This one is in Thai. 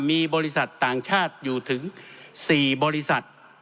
มีบริษัทต่างชาติอยู่ถึง๔บริษัท